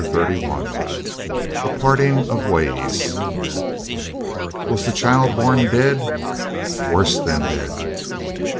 Thirty one A PARTING OF WAYS "Was the child born dead?" "Worse than dead!"